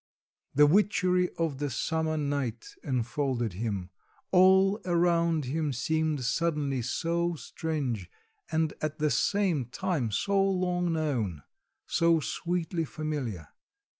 The witchery of the summer night enfolded him; all around him seemed suddenly so strange and at the same time so long known; so sweetly familiar.